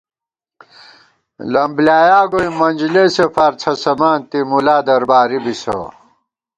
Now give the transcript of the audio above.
لم بۡلیایا گوئی منجلېسے فار څھسَمانتی مُلا درباری بِسہ